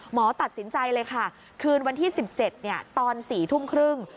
หมอตัดสินใจเลยค่ะคืนวันที่๑๗ตอน๔ทุ่มครึ่ง